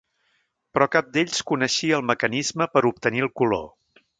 Però cap d'ells coneixia el mecanisme per obtenir el color.